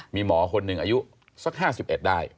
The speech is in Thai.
มีหมอคนหนึ่งอายุสัก๕๑ได้